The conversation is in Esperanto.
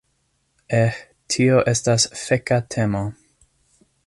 Eh, tio estas feka temo.